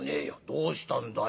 「どうしたんだよ？」。